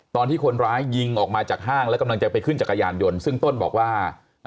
ตอนที่คนร้ายยิงออกมาจากห้างแล้วกำลังจะไปขึ้นจักรยานยนต์ซึ่งต้นบอกว่า